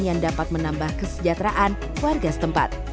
yang dapat menambah kesejahteraan warga setempat